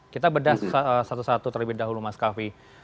kita bedah satu satu terlebih dahulu mas kavi